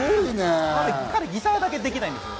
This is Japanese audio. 彼、ギターだけできないんですよ。